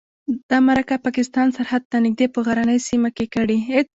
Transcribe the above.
دا مرکه پاکستان سرحد ته نږدې په غرنۍ سیمه کې کړې.